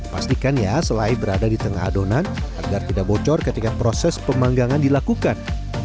pastikan ya selai berada di tengah adonan agar tidak bocor ketika proses pemanggangan dilakukan